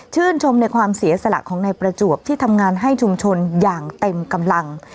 ชมในความเสียสละของนายประจวบที่ทำงานให้ชุมชนอย่างเต็มกำลัง